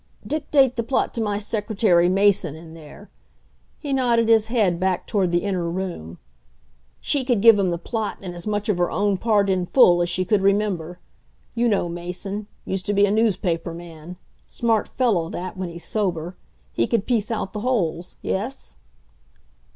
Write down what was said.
"Dictate the plot to my secretary, Mason, in there," he nodded his head back toward the inner room. "She could give him the plot and as much of her own part in full as she could remember. You know Mason. Used to be a newspaper man. Smart fellow, that, when he's sober. He could piece out the holes yes?"